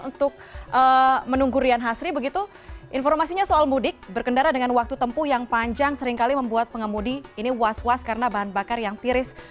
untuk menunggu rian hasri begitu informasinya soal mudik berkendara dengan waktu tempuh yang panjang seringkali membuat pengemudi ini was was karena bahan bakar yang tiris